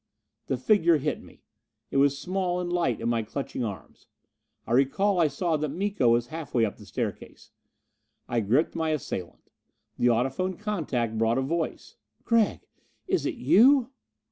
The figure hit me. It was small and light in my clutching arms. I recall I saw that Miko was half way up the staircase. I gripped my assailant. The audiphone contact brought a voice. "Gregg! Is it you?"